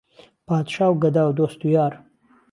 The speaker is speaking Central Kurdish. پادشا و گهدا و دۆست و یار